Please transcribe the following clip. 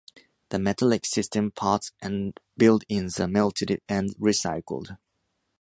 The metallic system parts and build-inns are melted and recycled.